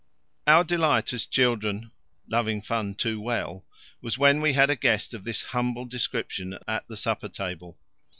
Our delight as children, loving fun too well, was when we had a guest of this humble description at the supper table.